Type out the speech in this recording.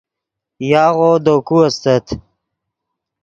یاغو دے کو استت